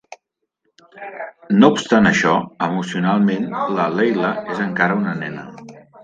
No obstant això, emocionalment la Leila és encara una nena.